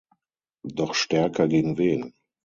Doch stärker gegen wen?